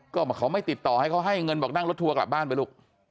ก็เขาไม่ติดต่อให้เขาให้เงินบอกนั่งรถทัวร์กลับบ้านไปลูก